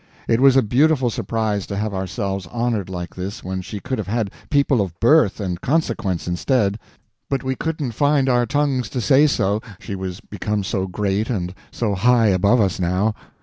It was a beautiful surprise to have ourselves honored like this when she could have had people of birth and consequence instead, but we couldn't find our tongues to say so, she was become so great and so high above us now.